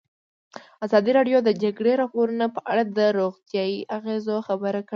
ازادي راډیو د د جګړې راپورونه په اړه د روغتیایي اغېزو خبره کړې.